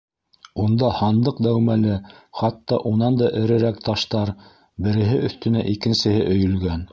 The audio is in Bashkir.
Унда һандыҡ дәүмәле, хатта унан да эрерәк таштар береһе өҫтөнә икенсеһе өйөлгән.